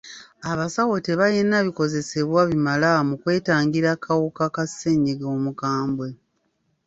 Abasaawo tebalina bikozesebwa bimala mu kwetangira kawuka ka ssenyiga omukambwe.